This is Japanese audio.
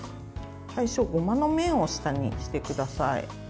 最初、ごまの面を下にしてください。